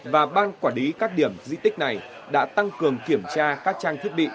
và ban quản lý các điểm di tích này đã tăng cường kiểm tra các trang thiết bị